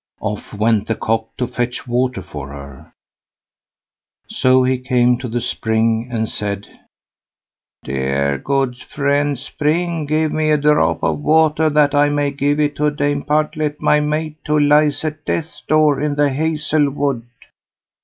Off went the cock to fetch water for her; so he came to the Spring and said: "Dear good friend Spring give me a drop of water, that I may give it to Dame Partlet, my mate, who lies at death's door in the hazel wood."